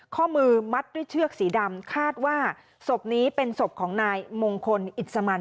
ข้อมือมัดด้วยเชือกสีดำคาดว่าศพนี้เป็นศพของนายมงคลอิสมัน